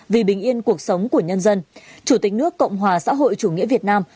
vì bình yên cuộc sống của nhân dân chủ tịch nước cộng hòa xã hội chủ nghĩa việt nam